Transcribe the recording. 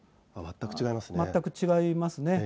全く違いますね。